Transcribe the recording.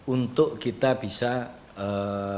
untuk kita bisa menjaga